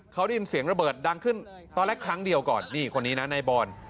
เขาได้ยินเสียงระเบิดดังขึ้นตอนแรกครั้งเดียวก่อนนี่คนนี้นะนายบอล